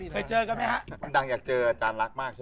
เคยเจอกันไหมฮะคุณดังอยากเจออาจารย์รักมากใช่ไหม